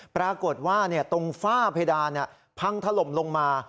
ปรากฏว่าตรงฝ้าเพดานพังถล่มลงมา